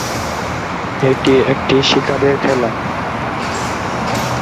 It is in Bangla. এটি একটি শিকারের খেলা।